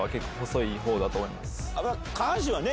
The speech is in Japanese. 下半身はね